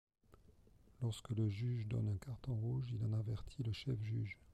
Lorsque le juge donne un carton rouge il en avertit le chef-juge.